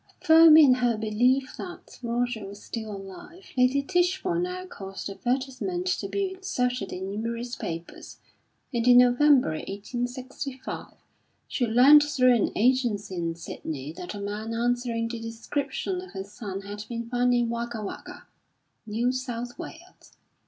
Firm in her belief that Roger was still alive, Lady Tichborne now caused advertisements to be inserted in numerous papers; and in November, 1865, she learnt through an agency in Sydney that a man answering the description of her son had been found in Wagga Wagga, New South Wales.